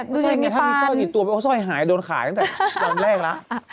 ถ้ามีซ่อยอีกตัวไปซ่อยหายโดนขายตั้งแต่ครั้งแรกละ